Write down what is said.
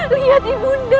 lihat ibu bunda